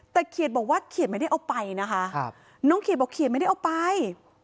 แต่เขียดบอกว่าเขียนไม่ได้เอาไปนะคะน้องเขียนบอกเขียนไม่ได้เอาไป